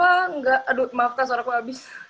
papa enggak aduh maafkan suara aku abis